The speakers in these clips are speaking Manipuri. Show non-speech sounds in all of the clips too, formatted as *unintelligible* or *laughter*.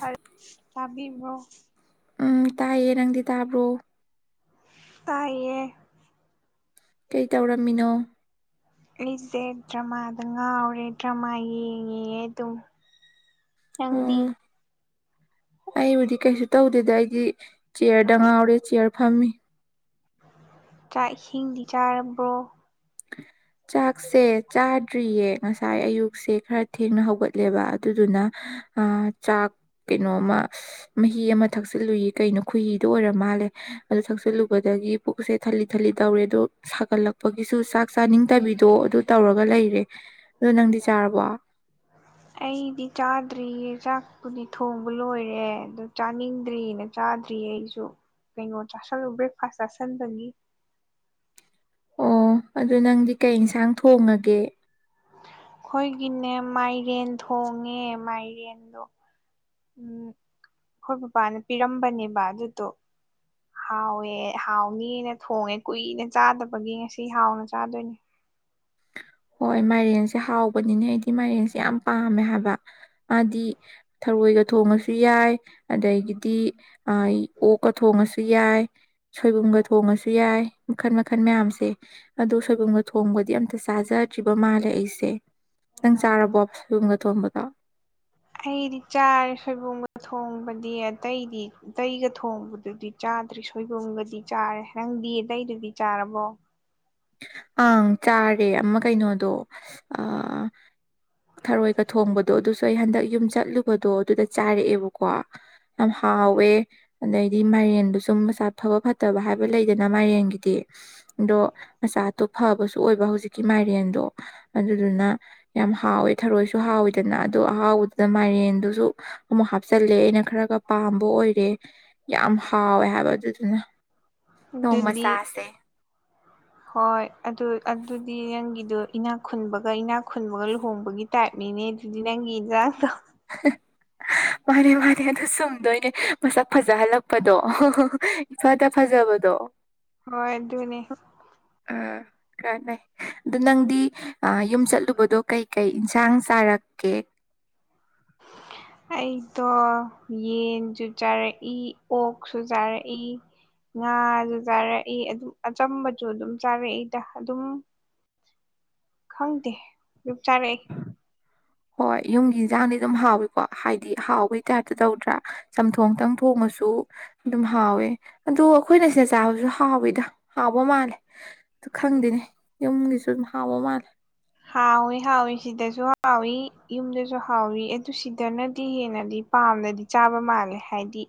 ꯍꯜꯂꯣ ꯇꯥꯕꯤꯕ꯭ꯔꯣ ꯎꯝ ꯇꯥꯏꯌꯦ ꯅꯪꯗꯤ ꯇꯥꯕ꯭ꯔꯣ ꯇꯥꯏꯌꯦ ꯀꯩ ꯇꯧꯔꯝꯃꯤꯅꯣ ꯑꯩꯁꯦ ꯗꯔꯃꯥꯗ ꯉꯥꯎꯔꯦ ꯗꯔꯃꯥ ꯌꯦꯡꯉꯤꯌꯦ ꯆꯪꯗꯤ ꯑꯣ ꯑꯩꯕꯨꯗꯤ ꯀꯩꯁꯨ ꯇꯧꯗꯦꯗ ꯑꯩꯗꯤ ꯆꯤꯌꯔꯗ ꯉꯥꯎꯔꯦ ꯆꯤꯌꯔ ꯐꯝꯃꯤ ꯆꯥꯛ ꯏꯁꯤꯡꯗꯤ ꯆꯥꯔꯕ꯭ꯔꯣ ꯆꯥꯛꯁꯦ ꯆꯥ ꯇ꯭ꯔꯤꯌꯦ ꯉꯁꯥꯏ ꯑꯌꯨꯛꯁꯦ ꯈꯔ ꯊꯦꯡꯅ ꯍꯧꯒꯠꯂꯦꯕ ꯑꯗꯨꯗꯨꯅ ꯆꯥꯛ ꯀꯩꯅꯣꯃ ꯃꯍꯤ ꯑꯃ ꯊꯛꯆꯤꯜꯂꯨꯏ ꯀꯩꯅꯣ ꯈꯨꯍꯤꯗꯣ ꯑꯣꯏꯔ ꯃꯥꯜꯂꯦ ꯑꯗꯨꯗ ꯊꯛꯆꯤꯜꯂꯨꯕꯗꯒꯤ ꯄꯨꯛꯁꯦ ꯊꯂꯤꯠ ꯊꯂꯤ ꯇꯧꯔꯦ ꯑꯗꯣ ꯁꯥꯒꯠꯂꯛꯄꯒꯤꯁꯨ ꯆꯥꯛ ꯆꯥꯅꯤꯡꯗꯕꯤꯗꯣ ꯑꯗꯨ ꯇꯧꯔꯒ ꯂꯩꯔꯦ꯫ ꯑꯗꯣ ꯅꯪꯗꯤ ꯆꯥꯔꯕꯣ ꯑꯩꯗꯤ ꯆꯥꯗ꯭ꯔꯤꯌꯦ ꯆꯥꯛꯄꯨꯗꯤ ꯊꯣꯡꯕ ꯂꯣꯏꯔꯦ ꯑꯗꯨ ꯆꯥꯅꯤꯡꯗ꯭ꯔꯤꯅ ꯆꯥꯗ꯭ꯔꯤꯌꯦ ꯑꯩꯁꯨ ꯀꯩꯅꯣ ꯆꯥꯁ ꯕ꯭ꯔꯦꯛꯐꯥꯁ ꯆꯁꯤꯟꯖꯅꯤ ꯑꯣ ꯑꯗꯨ ꯅꯪꯗꯤ ꯀꯩ ꯏꯟꯁꯥꯡ ꯊꯣꯡꯉꯒꯦ ꯑꯩꯈꯣꯏꯒꯤꯅꯦ ꯃꯥꯏꯔꯦꯟ ꯊꯣꯡꯉꯦ ꯃꯥꯏꯔꯦꯟꯗꯣ ꯎꯝ ꯑꯩꯈꯣꯏ ꯕꯕꯥꯅ ꯄꯤꯔꯝꯕꯅꯦꯕ ꯑꯗꯨꯗꯣ ꯍꯥꯎꯋꯦ ꯍꯥꯎꯅꯦꯅ ꯊꯣꯡꯉꯦ ꯀꯨꯏꯅ ꯆꯥꯗꯕꯒꯤ ꯉꯁꯤ ꯍꯥꯎꯅ ꯆꯥꯗꯣꯏꯅꯦ ꯍꯣꯏ ꯃꯥꯏꯔꯦꯟꯁꯦ ꯍꯥꯎꯕꯅꯤꯅꯦ ꯑꯩꯗꯤ ꯃꯥꯏꯔꯦꯟꯁꯦ ꯌꯥꯝ ꯄꯥꯝꯃꯦ ꯍꯥꯏꯕ ꯃꯥꯗꯤ ꯊꯔꯣꯏꯒ ꯊꯣꯡꯉꯁꯨ ꯌꯥꯏ ꯑꯗꯒꯤꯗꯤ ꯑꯣꯛꯀ ꯊꯣꯡꯉꯁꯨ ꯌꯥꯏ ꯁꯣꯏꯕꯨꯝꯒ ꯊꯣꯡꯉꯁꯨ ꯌꯥꯏ ꯃꯈꯟ ꯃꯈꯟ ꯃꯌꯥꯝꯁꯦ ꯑꯗꯣ ꯁꯣꯏꯕꯨꯝꯗ ꯊꯣꯡꯕꯗꯤ ꯑꯝꯇ ꯆꯥꯖꯗ꯭ꯔꯤꯕ ꯃꯥꯜꯂꯦ ꯑꯩꯁꯦ ꯈꯤꯇꯪ ꯆꯥꯔꯕꯣ ꯁꯨꯝꯒ ꯊꯣꯡꯕꯗꯣ ꯑꯩꯗꯤ ꯆꯥꯔꯦ ꯁꯣꯏꯕꯨꯝꯒ ꯊꯣꯡꯕꯗꯤ ꯑꯇꯩꯗꯤ ꯑꯇꯩꯒ ꯊꯣꯡꯕꯗꯨꯗꯤ ꯆꯥꯗ꯭ꯔꯤ ꯁꯣꯏꯕꯨꯝꯒꯗꯤ ꯆꯥꯔꯦꯪ ꯗꯤꯌꯦꯗꯩ ꯑꯗꯨꯗꯤ ꯆꯥꯔꯔꯕꯣ ꯑꯪ ꯆꯥꯔꯦ ꯑꯃ ꯀꯩꯅꯣꯗꯣ ꯊꯔꯣꯏꯒ ꯊꯣꯡꯕꯗꯣ ꯑꯗꯣ ꯑꯩ ꯍꯟꯗꯛ ꯌꯨꯝ ꯆꯠꯂꯨꯕꯗꯣ ꯑꯗꯨꯗ ꯆꯥꯔꯛꯑꯦꯕꯀꯣ ꯌꯥꯝ ꯍꯥꯎꯋꯦ ꯑꯗꯩꯗꯤ ꯃꯥꯏꯔꯦꯟꯗꯨ ꯁꯨꯝ ꯆꯥꯊꯕ ꯐꯠꯇꯕ ꯍꯥꯏꯕ ꯂꯩꯗꯅ ꯃꯥꯏꯔꯦꯟꯒꯤꯗꯤ ꯑꯗꯣ ꯃꯆꯥꯠꯇꯣ ꯐꯕꯁꯨ ꯑꯣꯏꯕ ꯍꯧꯖꯤꯛꯀꯤ ꯃꯥꯏꯔꯦꯟꯗꯣ ꯑꯗꯨꯗꯨꯅ ꯌꯥꯝ ꯍꯥꯎꯋꯦ ꯊꯔꯣꯏꯁꯨ ꯍꯥꯎꯋꯦ ꯀꯅ ꯑꯗꯨ ꯑꯍꯥꯎꯕꯗꯨꯗ ꯃꯥꯏꯔꯦꯟꯗꯨꯁꯨ ꯑꯃꯨꯛ ꯍꯥꯞꯆꯤꯜꯂꯦ ꯑꯩꯅ ꯈꯔꯒ ꯄꯥꯝꯕ ꯑꯣꯏꯔꯦ ꯌꯥꯝ ꯍꯥꯎꯋꯦ ꯍꯥꯏꯕ ꯑꯗꯨꯗꯨꯅ꯫ ꯅꯣꯡ ꯑꯗꯨꯗꯤ ꯃꯆꯥꯁꯦ *unintelligible* ꯍꯣꯏ ꯑꯗꯨ ꯑꯗꯨꯗꯤ ꯅꯪꯒꯤꯗꯣ ꯏꯅꯥꯛ ꯈꯨꯟꯕꯒ ꯏꯅꯥꯛ ꯈꯨꯟꯕꯒ ꯂꯨꯍꯣꯡꯕꯒꯤ ꯇꯥꯏꯞꯅꯤꯅꯦ꯫ ꯑꯗꯨꯗꯤ ꯅꯪꯒꯤꯦꯗ ꯇꯩ *unintelligible* ꯃꯥꯅꯦ ꯃꯥꯅꯦ ꯑꯗꯨ ꯆꯨꯝꯗꯣꯏꯅꯦ ꯃꯁꯛ ꯐꯖꯍꯜꯂꯛꯄꯗꯣ *unintelligible* ꯏꯐꯗ ꯐꯖꯕꯗꯣ ꯍꯣꯏ ꯑꯗꯨꯅꯦ ꯑ ꯀꯥꯅꯩ ꯑꯗꯨ ꯅꯪꯗꯤ ꯑ ꯌꯨꯝ ꯆꯠꯂꯨꯕꯗꯣ ꯀꯩ ꯀꯩ ꯏꯟꯁꯥꯡ ꯆꯥꯔꯛꯀꯦ *inaudible* ꯑꯩꯗꯣ ꯌꯦꯟꯁꯨ ꯆꯥꯔꯛꯏ ꯑꯣꯛꯁꯨ ꯆꯥꯔꯛꯏ ꯉꯥꯁꯨ ꯆꯥꯔꯛꯏ ꯑꯗꯨꯝ ꯑꯆꯥꯝꯕꯁꯨ ꯑꯗꯨꯝ ꯆꯥꯔꯛꯏꯗ ꯑꯗꯨꯝ ꯈꯪꯗꯦ ꯑꯗꯨꯝꯆꯥꯔꯛꯏ ꯍꯣꯏ ꯌꯨꯝꯒꯤ ꯏꯟꯁꯥꯡꯗꯤ ꯑꯗꯨꯝ ꯍꯥꯎꯏꯀꯣ ꯍꯥꯏꯗꯤ ꯍꯥꯎꯕꯒꯤ ꯇꯥꯏꯞꯇ ꯇꯧꯗ꯭ꯔꯥ ꯆꯝꯊꯣꯡꯇꯪ ꯊꯣꯡꯉꯁꯨ ꯑꯗꯨꯝ ꯍꯥꯎꯋꯦ ꯑꯗꯣ ꯑꯩꯈꯣꯏꯅ ꯁꯤꯗ ꯆꯥꯕꯁꯨ ꯍꯥꯎꯋꯤꯗ ꯍꯥꯎꯕ ꯃꯥꯜꯂꯦ ꯑꯗꯨ ꯈꯪꯗꯦꯅꯦ ꯌꯨꯝꯒꯤꯁꯨ ꯑꯗꯨꯝ ꯍꯥꯎꯕ ꯃꯥꯜꯂꯦ ꯍꯥꯎꯋꯤ ꯍꯥꯎꯏ ꯁꯤꯗꯁꯨ ꯍꯥꯎꯏ ꯌꯨꯝꯗꯁꯨ ꯍꯥꯎꯋꯤ ꯑꯗꯨ ꯁꯤꯗꯅꯗꯤ ꯍꯦꯟꯅꯗꯤ ꯄꯥꯝꯃꯤ ꯆꯥꯕ ꯃꯥꯜꯂꯦ ꯍꯥꯏꯗꯤ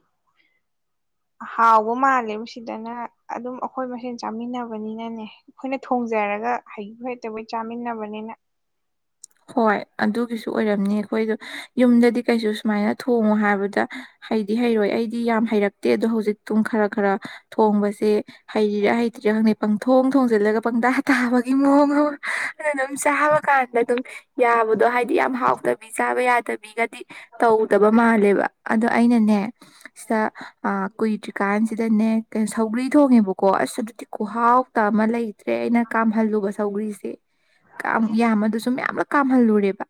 ꯍꯥꯎꯕ ꯃꯥꯜꯂꯦ ꯁꯤꯗꯅ ꯑꯗꯨꯝ ꯑꯩꯈꯣꯏ ꯃꯁꯦꯟ ꯆꯥꯃꯤꯟꯅꯕꯅꯤꯅꯅꯦ ꯑꯩꯈꯣꯏꯅ ꯊꯣꯡꯖ ꯊꯣꯡꯖꯔꯒ ꯍꯩꯕꯣꯏ ꯍꯩꯇꯕꯣꯢ ꯆꯥꯃꯤꯟꯅꯕꯅꯤꯅ ꯨ ꯑꯣꯏꯔꯝꯅꯤ ꯑꯩꯈꯣꯏꯗꯣ ꯌꯨꯝꯗꯗꯤ ꯀꯩꯁꯨ ꯁꯨꯃꯥꯏꯅ ꯊꯣꯡꯉꯣ ꯍꯥꯏꯕꯗ ꯍꯩꯗꯤ ꯍꯩꯔꯣꯏ ꯑꯩꯗꯤ ꯌꯥꯝ ꯍꯩꯔꯛꯇꯦ ꯑꯗꯣ ꯍꯧꯖꯤꯛꯇꯝ ꯈꯔ ꯈꯔ ꯊꯣꯡꯕꯁꯦ ꯍꯩꯔꯤꯔꯥ ꯍꯩꯇꯔꯤꯂ ꯈꯪꯗꯦ ꯊꯣꯡ ꯊꯣꯡꯖꯤꯜꯂꯒ ꯄꯪꯇꯥ ꯇꯥꯕꯒꯤ ꯃꯑꯣꯡ ꯑꯃ ꯑꯗꯨ ꯑꯗꯨꯝ ꯆꯥꯕ ꯀꯥꯟꯗ ꯑꯗꯨꯝ ꯌꯥꯕꯗꯣ ꯍꯥꯏꯗꯤ ꯌꯥꯝ ꯍꯥꯎꯗꯕꯤ ꯆꯥꯕ ꯌꯥꯗꯕꯤꯒꯗꯤ ꯇꯧꯗꯕ ꯃꯥꯜꯂꯦꯕ ꯑꯗꯣ ꯑꯩꯅꯅꯦ ꯎ *inaudible* ꯁꯤꯗ ꯀꯨꯏꯗ꯭ꯔꯤꯀꯥꯟꯁꯤꯗꯅꯦ ꯁꯧꯒ꯭ꯔꯤ ꯊꯣꯡꯉꯦꯕꯀꯣ ꯑꯁ ꯑꯗꯨꯗꯤ ꯀꯨꯍꯥꯎ ꯇ ꯂꯩꯇꯔꯦ ꯑꯩꯅꯥ ꯀꯝꯍꯜꯂꯨꯕ ꯁꯥꯎꯈꯔ꯭ꯤꯁꯦ ꯀꯝ ꯑꯗꯨꯁꯨ ꯃꯌꯥꯝ *unintelligible* ꯀꯥꯝꯍꯜꯂꯨꯔꯦꯕ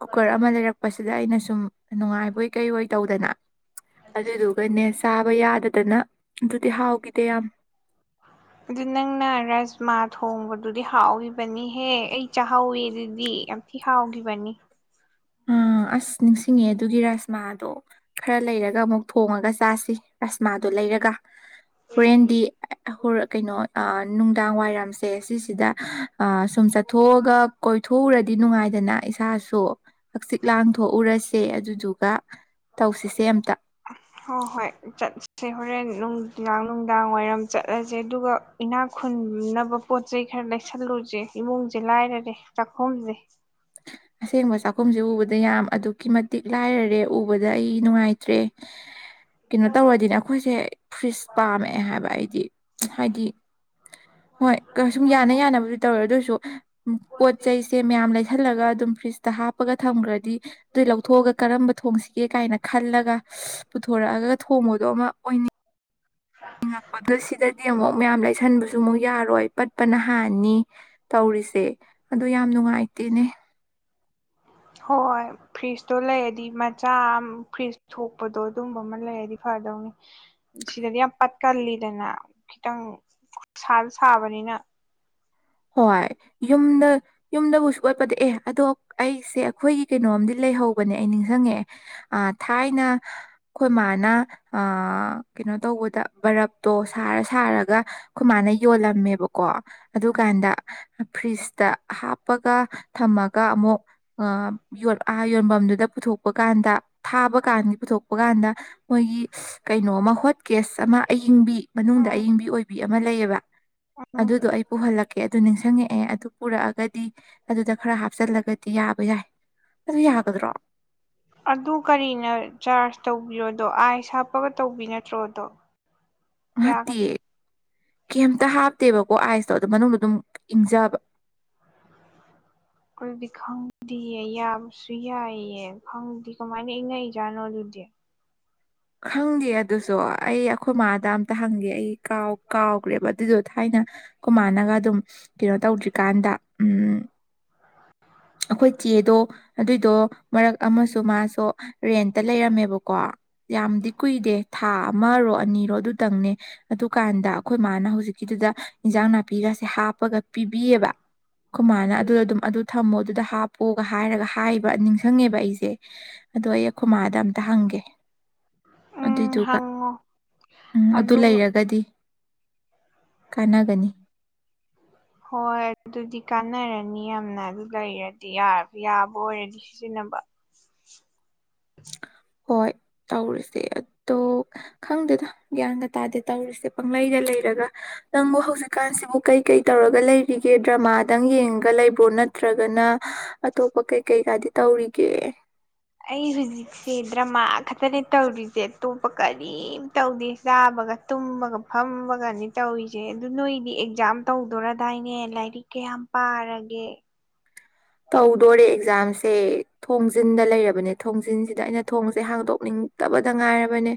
ꯀꯨꯀꯔ ꯑꯃ ꯂꯩꯔꯛꯄꯁꯤꯗ ꯑꯩꯅꯁꯨ ꯁꯨꯝ ꯅꯨꯡꯉꯥꯏꯕꯣꯏ ꯀꯩꯪ ꯑꯣꯢ ꯇꯧꯗꯅ ꯑꯗꯨꯗꯨꯒꯅꯦ ꯆꯥꯕ ꯌꯥꯗꯗꯅ ꯑꯗꯨꯗꯤ ꯍꯥꯎꯈꯤꯗꯦ ꯌꯥꯝ ꯑꯗꯨ ꯅꯪꯅ ꯔꯥꯖꯃꯥ ꯊꯣꯡꯕꯗꯨꯗꯤ ꯍꯥꯎꯈꯤꯕꯅꯤꯍꯦ ꯑꯩ ꯆꯥꯛꯍꯥꯎꯋꯦ ꯑꯗꯨꯗꯤ ꯌꯥꯝ ꯊꯤ ꯍꯥꯎꯈꯤꯕꯅꯤ ꯎꯝ ꯑꯥ ꯑꯁ ꯅꯤꯡꯁꯤꯡꯉꯦ ꯑꯗꯨꯒꯤ ꯔꯥꯁꯃꯥꯗꯣ ꯈꯔ ꯂꯩꯔꯒ ꯑꯃꯨꯛ ꯊꯣꯡꯉꯒ ꯆꯥꯁꯤ ꯔꯥꯁꯃꯥꯗꯣ ꯂꯩꯔꯒ ꯍꯣꯔꯦꯟꯗꯤ ꯍ ꯀꯩꯅꯣ ꯑ ꯅꯨꯡꯗꯥꯡ ꯋꯥꯏꯔꯝꯁꯦ ꯁꯤꯁꯤꯗ ꯑ ꯁꯨꯝ ꯆꯠꯊꯣꯛꯑꯒ ꯀꯣꯏꯊꯣꯛꯎꯔꯗꯤ ꯅꯨꯡꯉꯥꯏꯗꯅ ꯏꯁꯥꯁꯨ ꯍꯥꯛꯆꯤꯛ ꯂꯥꯡ ꯊꯣꯛꯎꯔꯁꯦ ꯑꯗꯨꯗꯨꯒ ꯇꯧꯁꯤꯁꯦ ꯑꯝꯇ ꯍꯣꯏ ꯍꯣꯏ ꯆꯠꯁꯦ ꯍꯣꯔꯦꯟ ꯅꯨꯡꯗꯥꯡ ꯅꯨꯡꯗꯥꯡ ꯋꯥꯏꯔꯝ ꯆꯠꯂꯁꯦ ꯑꯗꯨꯒ ꯏꯅꯥꯛ ꯈꯨꯟꯅꯕ ꯄꯣꯠ ꯆꯩ ꯈꯔ ꯂꯩ ꯀꯁꯜꯂꯨꯁꯦ ꯏꯃꯨꯡꯁꯦ ꯂꯥꯏꯔꯔꯦ ꯆꯥꯛꯈꯨꯝꯁꯦ ꯑꯁꯦꯡꯕ ꯆꯥꯛꯈꯨꯝꯁꯦ ꯎꯕꯗ ꯌꯥꯝ ꯑꯗꯨꯛꯀꯤ ꯃꯇꯤꯛ ꯂꯥꯏꯔꯔꯦ ꯎꯕꯗ ꯑꯩ ꯅꯨꯡꯉꯥꯏꯇ꯭ꯔꯦ ꯀꯩꯅꯣ ꯇꯧꯔꯗꯤꯅꯦ ꯑꯩꯈꯣꯏꯁꯦ ꯐ꯭ꯔꯤꯖ ꯄꯥꯝꯃꯛꯑꯦ ꯍꯥꯏꯕ ꯑꯩꯗꯤ ꯍꯥꯏꯗꯤ ꯍꯣꯏ ꯁꯨꯝ ꯌꯥꯅ ꯌꯥꯅꯕꯗꯤ ꯇꯧꯋꯦ ꯑꯗꯨ ꯑꯣꯏꯁꯨ ꯄꯣꯠ ꯆꯩꯁꯦ ꯃꯌꯥꯝ ꯂꯩ ꯂꯩꯁꯤꯟꯂꯒ ꯑꯗꯨꯝ ꯐ꯭ꯔꯤꯖꯇ ꯍꯥꯞꯄꯒ ꯊꯝꯈ꯭ꯔꯗꯤ ꯑꯗꯨꯏ ꯂꯧꯊꯣꯛꯑꯒ ꯀꯔꯝꯕ ꯊꯣꯡꯁꯤꯒ ꯀꯦ ꯀꯥꯏꯅ ꯈꯜꯂꯒ ꯄꯨꯊꯣꯔꯛꯑꯒ ꯊꯣꯡꯕꯗꯣ ꯑꯃ ꯑꯣꯏꯅꯤꯡꯉ ꯌꯦꯉꯛꯄꯗꯣ ꯁꯤꯗꯗꯤ ꯑꯃꯨꯛ ꯃꯌꯥꯝ ꯂꯩꯁꯟꯕꯁꯨ ꯑꯃꯨꯛ ꯌꯥꯔꯣꯏ ꯄꯠꯄꯅ ꯍꯥꯟꯅꯤ ꯇꯧꯔꯤ ꯇꯧꯔꯤꯁꯦ ꯑꯗꯣ ꯌꯥꯝ ꯅꯨꯡꯉꯥꯏꯇꯦꯅꯦ ꯍꯣꯏ ꯐ꯭ꯔꯤꯖꯇꯣ ꯂꯩꯔꯗꯤ ꯃꯆꯥ ꯐ꯭ꯔꯤꯖ ꯊꯣꯛꯄꯗꯣ ꯑꯗꯨꯝꯕ ꯑꯃ ꯂꯩꯔꯗꯤ ꯐ ꯐꯗꯧꯅꯤ ꯁꯤꯗꯗꯤ ꯌꯥꯝ ꯄꯠꯀꯜꯂꯤꯗꯅ ꯈꯤꯇꯪ ꯈꯨꯁꯥꯗ ꯁꯥꯕꯅꯤꯅ *unintelligible* ꯍꯣꯏ ꯌꯨꯝꯗ ꯌꯨꯝꯗꯕꯨ ꯁꯨꯡꯕꯠ ꯄꯠꯗꯦ ꯑꯦ ꯑꯗꯣ ꯑꯩꯁꯦ ꯑꯩꯈꯣꯏꯒꯤ ꯀꯩꯅꯣꯝꯗꯤ ꯂꯩꯍꯧꯕꯅꯦ ꯑꯩ ꯅꯤꯡꯁꯤꯡꯉꯛꯑꯦ ꯊꯥꯏꯅ ꯑꯩꯈꯣꯏ ꯃꯅ ꯀꯩꯅꯣ ꯇꯧꯕꯗ ꯕꯔꯥꯞ ꯇꯣ ꯁꯥꯔ ꯁꯥꯔꯒ ꯑꯩꯈꯣꯢ ꯃꯥꯅ ꯌꯣꯟ ꯌꯣꯟꯂꯝꯃꯦꯕꯀꯣ ꯑꯗꯨ ꯀꯥꯟꯗ ꯐ꯭ꯔꯤꯖꯇ ꯍꯥꯞꯄꯒ ꯊꯝꯃꯒ ꯑꯃꯨꯛ ꯌ ꯉꯥ ꯌꯣꯟꯐꯝꯗꯨꯗ ꯄꯨꯊꯣꯛꯄ ꯀꯥꯟꯗ ꯊꯥꯕ ꯀꯥꯟꯒꯤ ꯄꯨꯊꯣꯛꯄ ꯀꯥꯟꯗ ꯃꯣꯏꯒꯤ ꯀꯩꯅꯣ ꯑꯃ ꯍꯣꯠ ꯀꯦꯁ ꯑꯃ ꯑꯌꯤꯡꯕꯤ ꯃꯅꯨꯡꯗ ꯎꯝ ꯑꯌꯤꯡꯕꯤ ꯑꯣꯏꯕꯤ ꯑꯃ ꯂꯩꯌꯦꯕ ꯎꯝ ꯑꯗꯨꯗꯣ ꯑꯩ ꯄꯨꯍꯜꯂ ꯑꯣꯀꯦ ꯑꯗꯨ ꯅꯤꯡꯁꯤꯡꯉꯛꯑꯦ ꯑꯗꯨ ꯄꯨꯔꯛꯑꯒꯗꯤ ꯑꯗꯨꯗ ꯈꯔ ꯍꯥꯞꯆꯜꯂꯒꯗꯤ ꯌꯥꯕ ꯌꯥꯏ ꯑꯗꯨ ꯌꯥꯒꯗ꯭ꯔꯣ ꯑꯗꯨ ꯀꯔꯤꯅ ꯆꯥꯔꯖ ꯇꯧꯕꯤꯔꯣ ꯑꯗꯣ ꯑꯥꯏꯁ ꯍꯥꯞꯄꯒ ꯇꯧꯕꯤ ꯅꯠꯇ꯭ꯔꯣꯗꯣ ꯉꯇꯦ ꯌꯥꯒꯅꯤ ꯀꯩꯝꯇ ꯍꯥꯞꯇꯦꯕꯀꯣ ꯑꯥꯏꯁꯇꯣ ꯑꯗꯨ ꯃꯅꯨꯡꯗ ꯑꯗꯨꯝ ꯏꯪꯖꯕ ꯑꯗꯨꯈꯗꯤ ꯈꯪꯗꯗꯤꯌꯦ ꯌꯥꯕꯁꯨ ꯌꯥꯏꯑꯌꯦ ꯈꯪꯗꯤ ꯀꯃꯥꯏꯅ ꯏꯪꯉꯛꯏꯖꯥꯠꯅꯣ ꯑꯗꯨꯗꯤ *inaudible* ꯈꯪꯗꯦ ꯑꯗꯨꯁꯨ ꯑꯩ ꯑꯩꯈꯣꯏ ꯃꯥꯥꯗ ꯑꯝꯇ ꯍꯪꯒꯦ ꯑꯩ ꯀꯥꯎ ꯀꯥꯎꯈ꯭ꯔꯦꯕ ꯑꯗꯨꯗꯣ ꯊꯥꯏꯅ ꯀꯃꯥꯟꯅꯒ ꯑꯗꯨꯝ ꯀꯩꯅꯣ ꯇꯧꯗ꯭ꯔꯤꯀꯥꯟꯗ ꯎꯝ ꯑꯩꯈꯣꯏ ꯆꯦꯗꯣ ꯑꯗꯨꯏꯗꯣ ꯃꯔꯛ ꯑꯃꯁꯨ ꯃꯥꯁꯨ ꯔꯦꯟꯇ ꯂꯩꯔꯝꯃꯦꯕꯀꯣ ꯌꯥꯝꯗꯤ ꯀꯨꯏꯗꯦ ꯊꯥ ꯑꯃꯔꯣ ꯑꯅꯤꯔꯣ ꯑꯗꯨꯇꯪꯅꯦ ꯑꯗꯨꯀꯥꯟꯗ ꯑꯩꯈꯣꯏ ꯃꯥꯅ ꯍꯧꯖꯤꯛꯀꯤꯗꯨꯗ ꯏꯟꯁꯥꯡ ꯅꯥꯄꯤꯒꯁꯦ ꯍꯥꯞꯄꯒ ꯄꯤꯕꯤꯌꯦꯕ ꯈꯨꯃꯥꯅ ꯑꯗꯨꯗ ꯑꯗꯨꯝ ꯑꯗꯨ ꯑꯃꯣꯗꯨꯗ ꯍꯥꯞꯄꯣꯒ ꯍꯥꯏꯔꯒ ꯍꯥꯏꯕ ꯅꯤꯡꯁꯤꯡꯉꯦꯕ ꯑꯩꯁꯦ ꯑꯗꯣ ꯑꯩꯈꯃꯥꯗ ꯑꯝꯇ ꯍꯪꯒꯦ ꯎꯝ ꯑꯗꯨꯏꯗꯨꯒ ꯍꯪꯉꯣ ꯎꯝ ꯑꯗꯨ ꯂꯩꯔꯒꯗꯤ ꯀꯥꯟꯅꯒꯅꯤ ꯍꯣꯏ ꯑꯗꯨꯗꯤ ꯀꯥꯟꯅꯔꯅꯤ ꯌꯥꯝꯅ ꯑꯗꯨ ꯂꯩꯔꯗꯤ ꯌꯥꯕ ꯑꯣꯏꯔꯗꯤ ꯁꯤꯖꯤꯟꯅꯔ ꯝꯕ ꯍꯣꯏ ꯇꯧꯔꯤꯁꯦ ꯑꯗꯣ ꯈꯪꯗꯦꯗ ꯒ꯭ꯌꯥꯟꯗ ꯇꯥꯗꯦ ꯇꯧꯔꯤꯁꯦ ꯄꯪꯂꯩꯗ ꯂꯩ ꯂꯩꯔꯒ ꯅꯪꯕꯨ ꯍꯧꯖꯤꯛꯀꯥꯟꯁꯤꯕꯨ ꯀꯩ ꯀꯩ ꯇꯧꯔꯒ ꯂꯩꯔꯤꯒꯦ ꯗ꯭ꯔꯃꯥꯗꯪ ꯌꯦꯡꯉꯒ ꯂꯩꯕ꯭ꯔꯣ ꯅꯠꯇ꯭ꯔ ꯅꯠꯇ꯭ꯔꯒꯅ ꯑꯇꯣꯞꯄ ꯀꯩ ꯀꯩꯀꯥꯗꯤ ꯇꯧꯔꯤꯒꯦ ꯁꯤ ꯗ꯭ꯔꯃꯥ ꯈꯛꯇꯅꯦ ꯇꯧꯔꯤꯁꯦ ꯑꯇꯣꯞꯄ ꯀꯔꯤꯝ ꯇꯧꯗꯦ ꯆꯥꯕꯒ ꯇꯨꯝꯕꯒ ꯐ ꯇꯃꯒꯅꯤ ꯇꯧꯔꯤꯁꯦ ꯑꯗꯨ ꯅꯣꯏꯗꯤ ꯑꯦꯛꯖꯥꯝ ꯇꯧꯗꯣꯔꯔꯗꯥꯏꯅꯦ ꯂꯥꯏꯔꯤꯛ ꯀꯌꯥꯝ ꯄꯥꯔꯒꯦ *inaudible* ꯇꯧꯗꯣꯔꯦ ꯑꯦꯛꯖꯥꯝꯁ *inaudible* ꯊꯣꯡꯖꯤꯟꯗ ꯂꯩꯔꯕꯅꯦ ꯊꯣꯡꯖꯤꯟꯁꯤꯗ ꯑꯩꯅ ꯊꯣꯡꯁꯦ ꯍꯥꯡꯗꯣꯛꯅꯤꯡꯗꯕꯗ ꯉꯥꯏꯔꯕꯅꯦ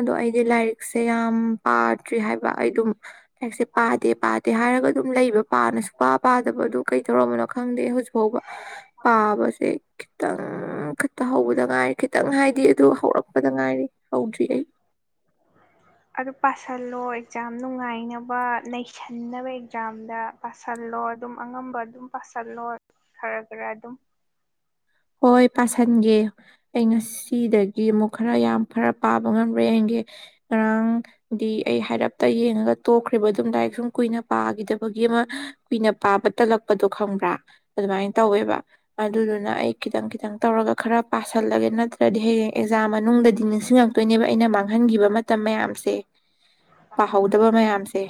ꯑꯗꯣ ꯑꯩ ꯑꯩ ꯂꯥꯏꯔꯤꯛꯁꯦ ꯌꯥꯝ ꯄꯥꯗ꯭ꯔꯤ ꯍꯥꯏꯕ ꯑꯩ ꯑꯗꯨꯝ ꯂꯥꯏꯔꯤꯛꯁꯦ ꯄꯥꯗꯦ ꯄꯥꯗꯦ ꯍꯥꯏꯔꯒ ꯑꯗꯨꯝ ꯂꯩꯕ ꯄꯥꯅꯁꯨ ꯄꯥ ꯄꯥꯗꯕ ꯑꯗꯨ ꯀꯩ ꯇꯧꯔꯝꯕꯅꯣ ꯈꯪꯗꯦ ꯍꯧꯖꯤꯛ ꯍꯕ ꯄꯥꯕꯁꯦ ꯈꯤꯇꯪ ꯈꯠꯇ ꯍꯧꯕꯗ ꯉꯥꯏꯔꯦ ꯈꯤꯇꯪ ꯍꯥꯏꯗꯤ ꯑꯗꯨ ꯍꯧꯔꯛꯄꯗ ꯉꯥꯏꯔꯦ ꯍꯧꯥꯎꯗ꯭ꯔꯤ *inaudible* *inaudible* ꯑꯗꯨ ꯄꯥꯁꯍꯜꯂꯣ ꯑꯦꯛꯖꯥꯝ ꯅꯨꯡꯉꯥꯏꯅꯕ ꯅꯩꯁꯟꯅꯕ ꯑꯦꯛꯖꯥꯝꯗ ꯄꯥꯁꯍꯜꯂꯣ ꯜꯂꯣ ꯑꯗꯨꯝ ꯑꯉꯝꯕ ꯑꯗꯨꯝ ꯄꯥꯁꯤꯜꯂꯣ ꯈꯔ ꯈꯔ ꯑꯗꯨꯝ ꯍꯣꯏ ꯄꯥꯁꯟꯒꯦ ꯑꯩ ꯉꯁꯤꯗꯒꯤ ꯑꯃꯨꯛ ꯈꯔ ꯌꯥꯝ ꯈꯔ ꯄꯥꯕ ꯉꯝꯔꯦ ꯑꯩ ꯉꯔꯥꯡꯗꯤ ꯑꯩ ꯍꯥꯏꯔꯞꯇ ꯌꯦꯡꯉꯒ ꯇꯣꯛꯈ꯭ꯔꯤꯕ ꯑꯗꯨꯝ ꯗꯥꯏꯔꯤꯦꯛ ꯁꯨꯝ ꯀꯨꯏꯅ ꯄꯥꯈꯤꯗꯕꯒꯤ ꯑꯃ ꯀꯨꯏꯅ ꯄꯥꯕ ꯇꯜꯂꯛꯄꯗꯣ ꯈꯪꯕ꯭ꯔꯥ ꯑꯗꯨꯃꯥꯏꯅ ꯇꯧꯋꯦꯕ ꯑꯗꯨꯗꯨꯅ ꯑꯩ ꯈꯤꯇꯪ ꯈꯤꯇꯪ ꯇꯧꯔꯒ ꯈꯔ ꯄꯥꯁꯜꯂꯒꯦ ꯅꯠꯇ꯭ꯔꯗꯤ ꯍꯌꯦꯡ ꯑꯦꯛꯖꯥꯝ ꯃꯅꯨꯡꯗꯗꯤ ꯅꯤꯡꯁꯤꯡꯉꯛꯇꯣꯏꯅꯦꯕ ꯑꯩꯅ ꯃꯥꯡꯍꯟ ꯆꯤꯡꯈꯤꯕ ꯃꯇꯝ ꯃꯌꯥꯝꯁꯦ ꯄꯥꯍꯧꯗꯕ ꯃꯌꯥꯝꯁꯦ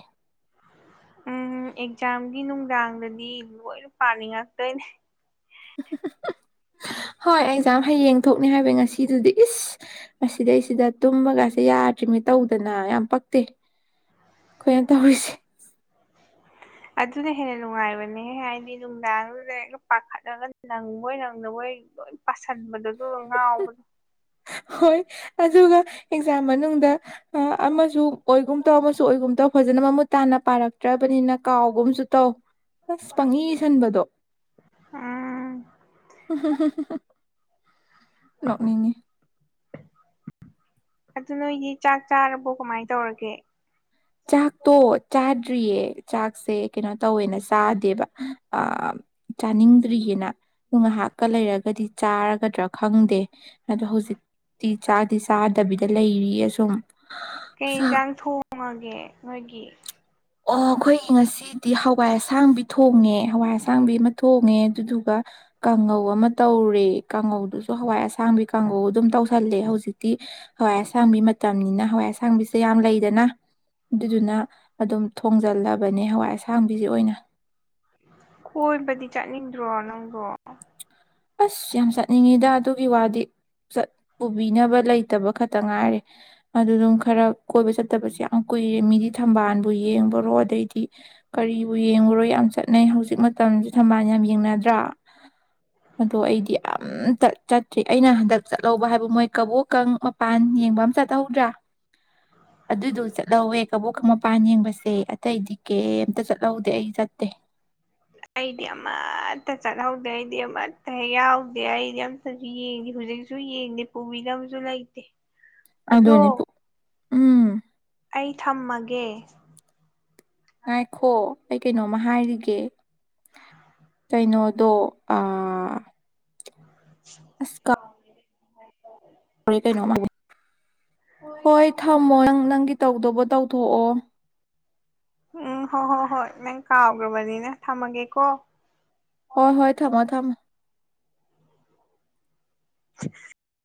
ꯎꯝ ꯑꯦꯛꯖꯥꯝꯒꯤ ꯅꯨꯡꯗꯥꯡꯗꯗꯤ ꯂꯣꯏꯅ ꯄꯥꯅꯤꯡꯉꯛꯇꯣꯏꯅꯦ ꯍꯣꯏ ꯑꯩꯖꯥꯝ ꯍꯌꯦꯡ ꯊꯣꯛꯅꯤ ꯍꯥꯏꯕ ꯉꯁꯤꯗꯨꯗꯤ ꯏꯁ ꯃꯁꯤꯗꯩꯁꯤꯗ ꯇꯨꯝꯃꯒꯁꯤꯦ ꯌꯥꯗ꯭ꯔꯤꯅꯤ ꯇꯧꯗꯅ ꯌꯥꯝ ꯄꯛꯇꯦ ꯑꯩꯈꯣꯏꯅ ꯇꯧꯔꯤꯁꯦ *inaudible* ꯑꯗꯨꯅ ꯍꯦꯟꯅ ꯅꯨꯡꯉꯥꯏꯕꯅꯦ ꯍꯥꯏꯗꯤ ꯅꯨꯡꯗꯥꯡꯗꯨꯗ ꯍꯦꯛ ꯄꯥꯈꯠꯂꯒ ꯅꯪꯕꯣꯏ ꯅꯪꯗꯕꯣꯏ ꯂꯣꯏ ꯄꯥꯁꯟꯕꯗ ꯑꯗꯨ ꯉꯥꯎꯕꯗꯣ ꯍꯣꯏ ꯑꯗꯨꯒ ꯑꯦꯛꯖꯥꯝ ꯃꯅꯨꯡꯗ ꯑꯃꯁꯨ ꯑꯣꯏꯒꯨꯝ ꯇꯧ ꯑꯃꯁꯨ ꯑꯣꯏꯒꯨꯝ ꯇꯧ ꯐꯖꯅ ꯃꯃꯨꯠ ꯇꯥꯅ ꯄꯥꯔꯛꯇ꯭ꯔꯦ ꯆꯠꯇ꯭ꯔꯕꯅꯤꯅ ꯀꯥꯎꯒꯨꯝꯁꯨ ꯇꯧ ꯑꯁ ꯄꯪꯏ ꯁꯟꯕꯗꯣ *inaudible* ꯎꯝ ꯅ‌ꯣꯛꯅꯤꯡꯉꯤ ꯑꯗꯨ ꯅꯣꯏꯒꯤ ꯆꯥꯛ ꯆꯥꯔꯕꯣ ꯀꯃꯥꯏ ꯇꯧꯔꯒꯦ ꯆꯥꯛ ꯇꯣ ꯆꯥ ꯇ꯭ꯔꯤꯌꯦ ꯆꯥꯛꯁꯦ ꯀꯩꯅꯣ ꯇꯧꯋꯦꯅ ꯆꯥꯗꯦꯕ ꯆꯥꯅꯤꯡꯗ꯭ꯔꯤꯌ‌ꯦꯅ ꯉꯥꯏꯍꯥꯛꯀ ꯂꯩꯔꯒꯗꯤ ꯆꯥꯔꯒꯗ꯭ꯔꯥ ꯈꯪꯗꯦ ꯑꯗꯣ ꯍꯧꯖꯤꯛ ꯇꯤ ꯆꯥꯗꯤ ꯆꯥꯗꯕꯤꯗ ꯂꯩꯔꯤ ꯑꯁꯨꯝ ꯀꯩ ꯏꯟꯁꯥꯡ ꯊꯣꯡꯉꯒꯦ ꯅꯣꯏꯒꯤ ꯑꯣ ꯑꯩꯈꯣꯏꯒꯤ ꯉꯁꯤ ꯗꯤ ꯍꯋꯥꯏ ꯑꯁꯥꯡꯕꯤ ꯊꯣꯡꯉꯦ ꯍꯋꯥꯏ ꯑꯁꯥꯡꯕꯤ ꯑꯃ ꯊꯣꯡꯉꯦ ꯑꯗꯨꯗꯨꯒ ꯀꯥꯡꯉꯧ ꯑꯃ ꯇꯧꯔ ꯎꯨꯔꯦ ꯀꯥꯡꯉꯧꯗꯨꯁꯨ ꯍꯋꯥꯏ ꯑꯁꯥꯡꯕꯤ ꯀꯥꯡꯉꯧ ꯑꯗꯨꯝ ꯇꯧꯁꯜꯂꯦ ꯍꯧꯖꯤꯛꯇꯤ ꯍꯋꯥꯏ ꯑꯁꯥꯡꯕꯤ ꯃꯇꯝꯅꯤꯅ ꯍꯋꯥꯏ ꯑꯁꯥꯡꯕꯤꯁꯦ ꯌꯥꯝ ꯂꯩꯗꯅ ꯑꯗꯨꯗꯨꯅ ꯑꯗꯨꯝ ꯊꯣꯡꯖꯜꯂꯕꯅꯦ ꯍꯋꯥꯏ ꯑꯁꯥꯡꯕꯤꯁꯦ ꯑꯣꯏꯅ ꯀꯣꯏꯕꯗꯤ ꯆꯠꯅꯤꯡꯗ꯭ꯔꯣ ꯅꯪꯕꯣ ꯑꯁ ꯌꯥꯝ ꯆꯠꯅꯤꯡꯉꯤꯗ ꯑꯗꯨꯒꯤ ꯋꯥꯗꯤ ꯄꯨꯕꯤꯅꯕ ꯂꯩꯇꯕ ꯈꯛꯇ ꯇ ꯉꯥꯏꯔꯦ ꯑꯗꯨꯗꯨꯝ ꯈꯔ ꯀꯣꯏꯕ ꯆꯠꯇꯕꯁ ꯌꯥꯝ ꯀꯨꯏꯔꯦ ꯃꯤꯗꯤ ꯊꯝꯕꯥꯟꯕꯨ ꯌꯦꯡꯕꯔꯣ ꯑꯗꯩꯗꯤ ꯀꯔꯤꯕꯨ ꯌꯦꯡꯉꯨꯔꯣ ꯌꯥꯝ ꯆꯠꯅꯩ ꯍꯧꯖꯤꯛ ꯃꯇꯝꯁꯦ ꯊꯝꯕꯥꯜꯅ ꯌꯥꯝ ꯌꯦꯡꯅꯗ꯭ꯔꯥ *inaudible* ꯑꯗꯣ ꯑꯩꯗꯤ ꯑꯝꯇ ꯆꯠꯇ꯭ꯔꯤ ꯑꯩꯅ ꯍꯟꯗꯛ ꯆꯠꯍꯧꯕ ꯍꯥꯏꯕꯕꯨ ꯃꯣꯏ ꯀꯕꯣꯛꯀꯡ ꯃꯄꯥꯟ ꯌꯦꯡꯕ ꯆꯠꯍꯧꯗ꯭ꯔꯥ ꯑꯗꯨꯏꯗꯣ ꯆꯠꯍꯧꯋꯦ ꯀꯕꯣꯛ ꯃꯄꯥꯟ ꯌꯦꯡꯕꯁꯦ ꯑꯇꯩꯗꯤ ꯀꯩꯝꯇ ꯆꯠꯍꯧꯗꯦ ꯑꯩ ꯆꯠꯇꯦ ꯑꯩꯗꯤ ꯑꯃꯥꯠꯇ ꯆꯠꯍꯧꯗꯦ ꯑꯩꯗꯤ ꯑꯃꯠꯇ ꯍ‌ꯦꯛ ꯌꯥꯎꯗꯦ ꯑꯩꯗꯤ ꯑꯝꯇꯁꯨ ꯌꯦꯡꯗꯦ ꯍꯧꯖꯤꯛꯁꯨ ꯌꯦꯡꯗꯦ ꯄꯨꯕꯤꯅꯕꯁꯨ ꯂꯩꯇ‌ꯦ ꯑꯗꯨꯅꯤ ꯄꯣ ꯎꯝ ꯑꯩ ꯊꯝꯃꯒꯦ ꯉꯥꯏꯈꯣ ꯑꯩ ꯀꯩꯅꯣꯝꯃ ꯍꯥꯏꯔꯤꯒꯦ ꯀꯩꯅꯣꯗꯣ ꯑ ꯑꯥꯁꯀ ꯍꯣꯔꯦ ꯀꯩꯅꯣꯝꯕꯨ ꯍꯣꯏ ꯊꯝꯃꯣ ꯅꯪ ꯅꯪꯒꯤ ꯇꯧꯗꯧꯕ ꯇꯧꯊꯣꯛꯑꯣ ꯎꯝ ꯍꯣꯏ ꯍꯣꯏ ꯍꯣꯏ ꯅꯪ ꯀꯥꯎꯈ꯭ꯔꯕꯅꯤ ꯅꯪ ꯊꯝꯃꯒꯦꯀꯣ ꯍꯣꯏ ꯍꯣꯏ ꯊꯝꯃꯣ ꯊꯝꯃꯣ ꯑꯥ